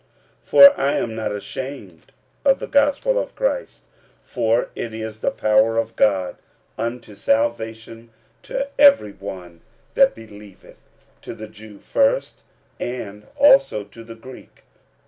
45:001:016 For I am not ashamed of the gospel of Christ: for it is the power of God unto salvation to every one that believeth; to the Jew first, and also to the Greek.